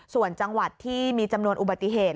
ส่วนจังหวัดที่มีจำนวนอุบัติเหตุ